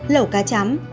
lẩu cá chấm